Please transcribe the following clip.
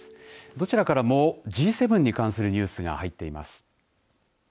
どちらからもＧ７に関するニュースが入っています。